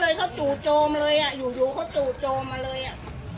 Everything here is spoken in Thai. เลยเขาจู่โจมเลยอ่ะอยู่อยู่เขาจู่โจมมาเลยอ่ะ